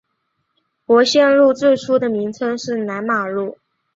伯先路最初的名称是南马路。